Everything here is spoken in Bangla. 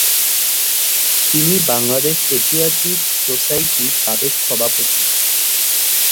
তিনি বাংলাদেশ এশিয়াটিক সোসাইটির সাবেক সভাপতি।